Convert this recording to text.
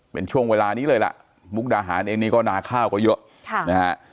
เป็นช่วงเวลานี้เลยล่ะมุกดาหารเองนี่ก็นาข้าวก็เยอะนะฮะ